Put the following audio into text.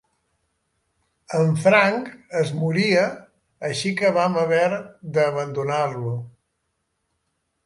En Frank es moria, així que vam haver d'abandonar-lo.